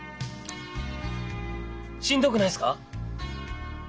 しんどくないですか？